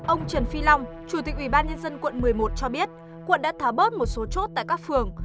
ông trần phi long chủ tịch ubnd quận một mươi một cho biết quận đã tháo bớt một số chốt tại các phường